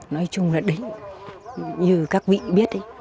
nói chung là đấy như các vị biết đấy